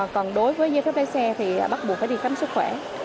còn đối với giấy phép lái xe thì bắt buộc phải đi khám sức khỏe